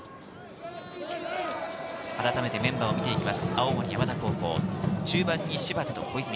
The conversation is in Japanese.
改めてメンバーを見ていきます。